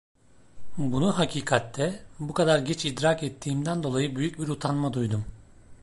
Bunu hakikatte bu kadar geç idrak ettiğimden dolayı büyük bir utanma duydum.